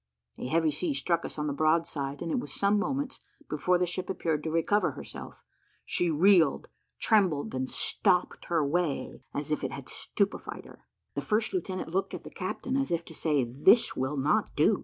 A heavy sea struck us on the broadside, and it was some moments before the ship appeared to recover herself; she reeled, trembled, and stopped her way, as if it had stupefied her. The first lieutenant looked at the captain as if to say, "This will not do."